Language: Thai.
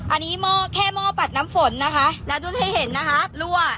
อันนี้หม้อแค่หม้อปัดน้ำฝนนะคะแล้วดูให้เห็นนะคะรั่ว